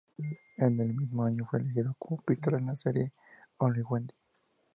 En el mismo año fue elegido como Pete en la serie online "Wendy".